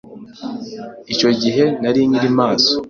Icyo gihe, nari nkiri maso.